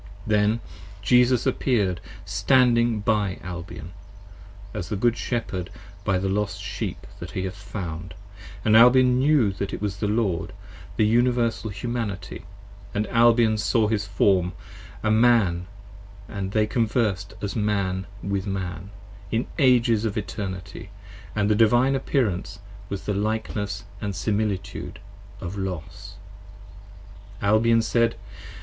Then Jesus appeared standing by Albion, as the Good Shepherd By the lost Sheep that he hath found, & Albion knew that it 5 Was the Lord, the Universal Humanity, & Albion saw his Form A Man, & they conversed as Man with Man, in Ages of Eternity. And the Divine Appearance was the likeness & similitude of Los. Albion said.